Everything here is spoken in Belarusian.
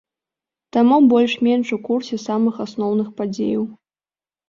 Таму больш-менш у курсе самых асноўных падзеяў.